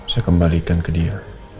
saya kembalikan ke dia